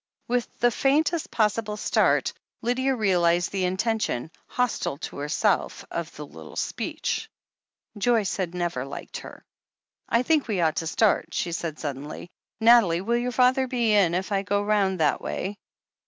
With the faintest possible start, Lydia realized the intention, hostile to herself, of the little speech. Joyce had never liked her. "I think we ought to start," she said suddenly. "Nathalie, will your father be in if I go round that way?"